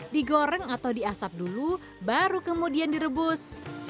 digoreng atau diasap dulu baru kemudian direbus